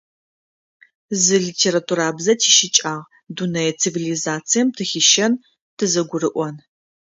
Зы литературабзэ тищыкӀагъ: дунэе цивилизацием тыхищэн; тызэгурыӏон.